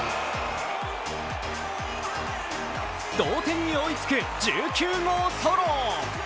同点に追いつく１９号ソロ。